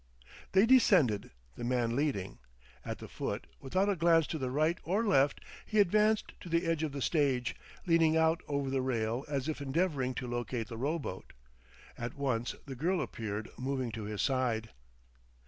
They descended, the man leading. At the foot, without a glance to right or left, he advanced to the edge of the stage, leaning out over the rail as if endeavoring to locate the rowboat. At once the girl appeared, moving to his side.